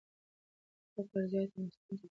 که فقر زیات وي نو ستونزې ډېریږي.